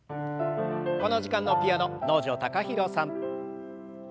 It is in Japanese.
この時間のピアノ能條貴大さん。